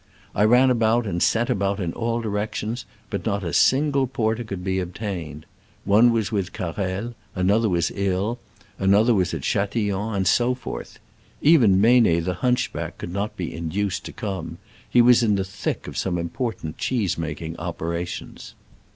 I ran about and sent about in all directions, but not a single porter could be obtained. One was with Carrel, another was ill, another was at Chatillon, and so forth. Even Meynet the hunchback could not be induced to come : he was in the thick of some im portant cheese making operations.